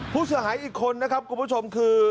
ผู้เสียหายอีกคนนะครับคุณผู้ชมคือ